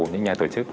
những nhà tổ chức